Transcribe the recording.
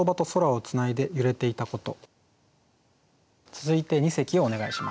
続いて二席をお願いします。